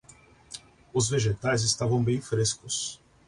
Os vegetais estavam bem frescos